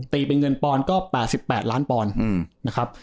เป็นเงินปอนด์ก็๘๘ล้านปอนด์นะครับ